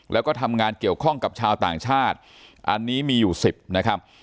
แล้วก็ทำงานเกี่ยวข้องกับชาวต่างชาติอันนี้มีอยู่๑๐นะครับ